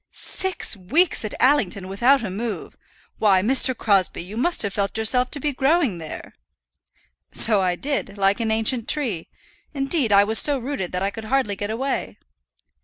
"Six weeks at Allington without a move! Why, Mr. Crosbie, you must have felt yourself to be growing there." "So I did like an ancient tree. Indeed, I was so rooted that I could hardly get away."